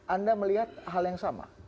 anda melihat hal yang sama